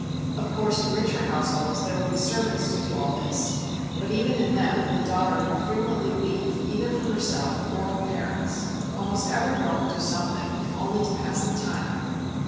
Of course, in richer households there will be servants to do all this; but even in them the daughter will frequently weave either for herself or her parents. Almost every girl will do something, if only to pass the time.